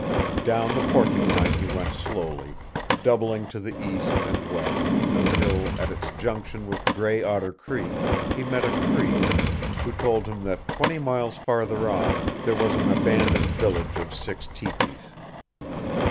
Down the Porcupine he went slowly, doubling to the east and west, until, at its junction with Gray Otter Creek, he met a Cree, who told him that twenty miles farther on there was an abandoned village of six teepees.